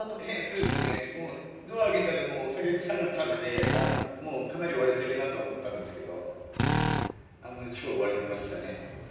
そうですね、ドア開けたらお酒くさかったんでもうかなり割れてるなと思ったんですけど、案の定割れてましたね。